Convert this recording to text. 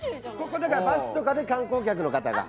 ここバスとかで観光客の方が。